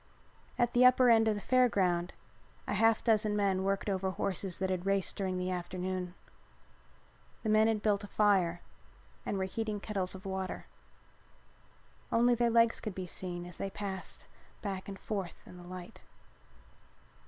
At the upper end of the Fair Ground a half dozen men worked over horses that had raced during the afternoon. The men had built a fire and were heating kettles of water. Only their legs could be seen as they passed back and forth in the light.